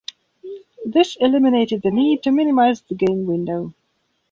This eliminated the need to minimize the game window.